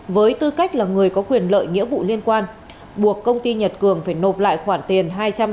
với tư cách là người có quyền lợi nghĩa vụ liên quan buộc công ty nhật cường phải nộp lại khoản tiền